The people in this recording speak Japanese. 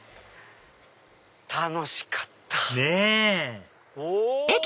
楽しかった！ねぇお！